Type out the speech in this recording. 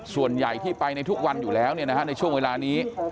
ส่วนใหญ่ที่ไปในทุกวันอยู่แล้วในช่วงเวลานี้